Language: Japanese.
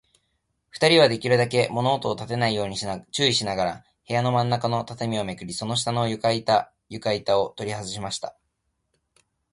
ふたりは、できるだけ物音をたてないように注意しながら、部屋のまんなかの畳をめくり、その下の床板ゆかいたをとりはずしました。